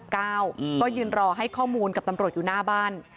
ก็ยืนรอให้ข้อมูลกับตำรวจอยู่หน้าบ้าน